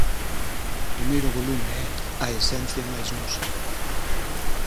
O primeiro volume é "A esencia máis nosa".